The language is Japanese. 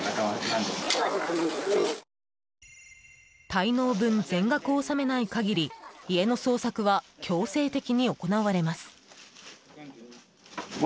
滞納分全額を納めない限り家の捜索は強制的に行われます。